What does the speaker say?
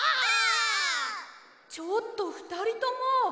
ちょっとふたりとも。